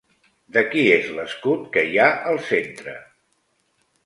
De qui és l'escut que hi ha al centre?